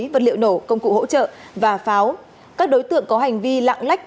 vật liệu nổ công cụ hỗ trợ và pháo các đối tượng có hành vi lạng lách